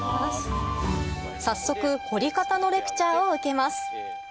早速掘り方のレクチャーを受けます